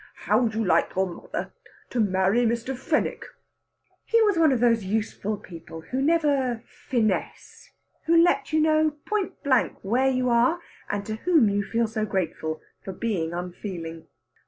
"How would you like your mother to marry Mr. Fenwick?" He was one of those useful people who never finesse, who let you know point blank where you are, and to whom you feel so grateful for being unfeeling.